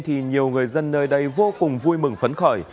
thì nhiều người dân nơi đây vô cùng vui mừng phấn khởi